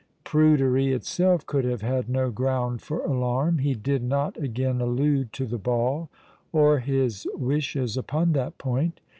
Prudery itself could have had no ground for alarm. He did not again allude to the ball, or his wishes upon that point.